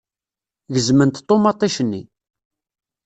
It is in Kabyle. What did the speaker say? Gezment ṭumaṭic-nni.